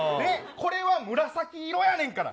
これは紫色やねんから。